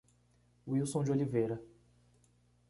Wilson de Oliveira